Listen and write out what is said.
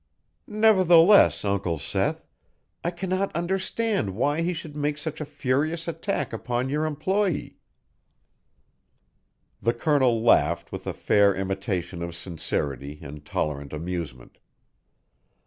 "Nevertheless, Uncle Seth, I cannot understand why he should make such a furious attack upon your employee." The Colonel laughed with a fair imitation of sincerity and tolerant amusement.